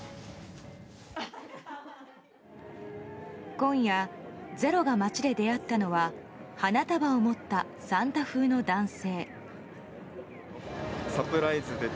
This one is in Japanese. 今夜、「ｚｅｒｏ」が街で出会ったのは花束を持ったサンタ風の男性。